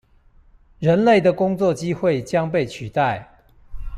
人類的工作機會將被取代？